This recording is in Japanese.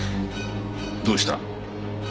どうした？